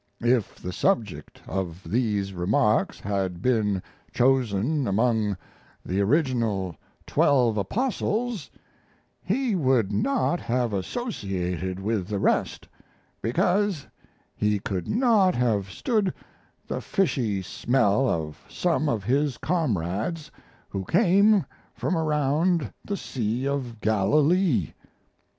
If the subject of these remarks had been chosen among the original Twelve Apostles he would not have associated with the rest, because he could not have stood the fishy smell of some of his comrades who came from around the Sea of Galilee.